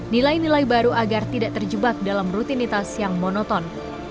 nilai nilai baru agar tidak terjebak dalam rutinitas yang monoton